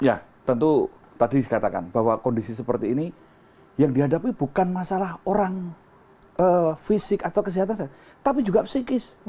ya tentu tadi dikatakan bahwa kondisi seperti ini yang dihadapi bukan masalah orang fisik atau kesehatan saja tapi juga psikis